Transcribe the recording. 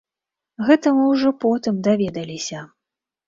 Гэта мы ўжо потым даведаліся.